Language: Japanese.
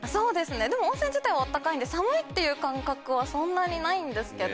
でも温泉自体は温かいんで寒いっていう感覚はそんなにないんですけど。